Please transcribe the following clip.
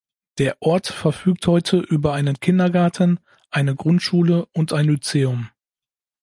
Der Ort verfügt heute über einen Kindergarten, eine Grundschule und ein Lyzeum.